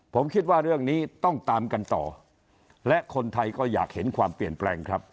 ผมคิดว่าเรื่องนี้ต้องตามกันต่อและคนไทยก็อยากเห็นความเปลี่ยนแปลงครับ